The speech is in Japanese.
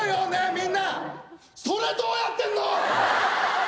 みんなそれどうやってんの！？